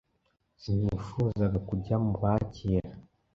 Sinifuzaga kujya mubakira.